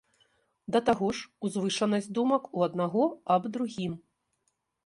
Да таго ж, узвышанасць думак у аднаго аб другім.